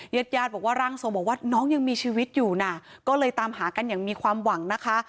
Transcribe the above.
ญาติญาติบอกว่าร่างทรงบอกว่าน้องยังมีชีวิตอยู่นะก็เลยตามหากันอย่างมีความหวังนะคะ